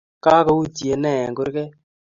Kagoutye ne eng kurget?